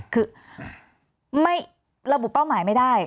คือไม่ระบุเป้าหมายไม่ได้